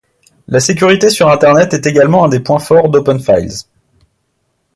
La sécurité sur internet est également un des points forts d'Open-Files.